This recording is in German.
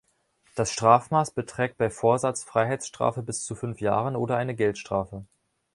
Das Strafmaß beträgt bei Vorsatz Freiheitsstrafe bis zu fünf Jahren oder eine Geldstrafe.